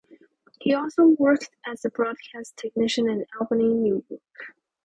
He also worked as a broadcast technician in Albany, New York.